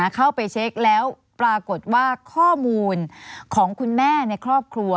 เข้าไปเช็คแล้วปรากฏว่าข้อมูลของคุณแม่ในครอบครัว